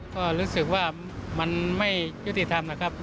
ก็รู้สึกว่ามันไม่ยุติธรรมนะครับ